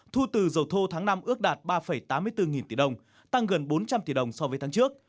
thu từ dầu thô tháng năm ước đạt ba tám mươi bốn nghìn tỷ đồng tăng gần bốn trăm linh tỷ đồng so với tháng trước